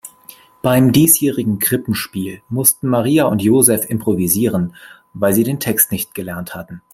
Beim diesjährigen Krippenspiel mussten Maria und Joseph improvisieren, weil sie den Text nicht gelernt hatten.